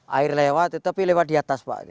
air lewat tetapi lewat di atas pak